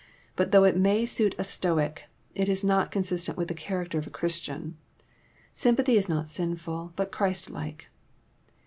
But though it may suit a Stoic, it is not consistent wit£ the character of a Chris tian. Sympathy is not sinful, but Christ like.